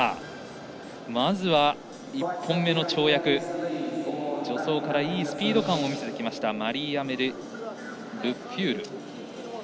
まずは１本目の跳躍助走からいいスピード感を見せてきたマリーアメリ・ルフュール。